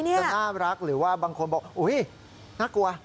จะน่ารักหรือว่าบางคนบอกอุ๊ยน่ากลัว